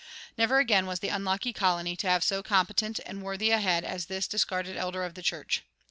Never again was the unlucky colony to have so competent and worthy a head as this discarded elder of the church.